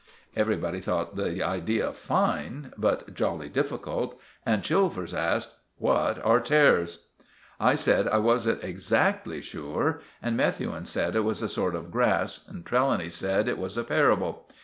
Everybody thought the idea fine but jolly difficult, and Chilvers asked— "What are tares?" I said I wasn't exactly sure, and Methuen said it was a sort of grass, and Trelawny said it was a parable.